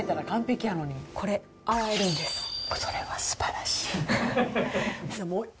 これ、それは素晴らしい。